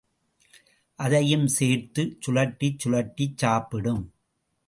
அதையும் சேர்த்துச் சுழற்றிச் சுழற்றிச் சாப்பிடும்.